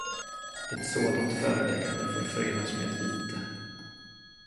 Ett sådant föreläggande får förenas med vite.